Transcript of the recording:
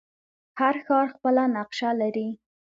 هر ښار خپله نقشه لري.